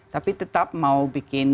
tapi tetap mau bikin